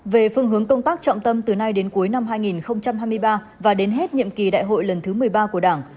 về phương hướng công tác trọng tâm từ nay đến cuối năm hai nghìn hai mươi ba và đến hết nhiệm kỳ đại hội lần thứ một mươi ba của đảng